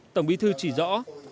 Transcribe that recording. tổng bí thư chỉ rõ